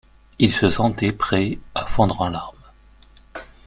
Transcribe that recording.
Il se sentait prêt à fondre en larmes.